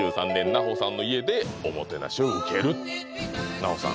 奈穂さん